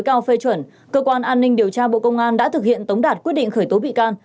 cao phê chuẩn cơ quan an ninh điều tra bộ công an đã thực hiện tống đạt quyết định khởi tố bị can